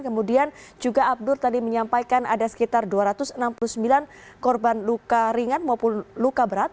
kemudian juga abdur tadi menyampaikan ada sekitar dua ratus enam puluh sembilan korban luka ringan maupun luka berat